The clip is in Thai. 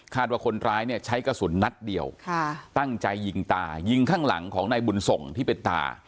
ว่าคนร้ายเนี่ยใช้กระสุนนัดเดียวตั้งใจยิงตายิงข้างหลังของนายบุญส่งที่เป็นตา